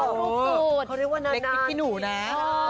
สอนรูปสูตรเขาเรียกว่านานเล็กพี่หนูแน่อ๋อ